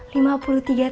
lihat aja ya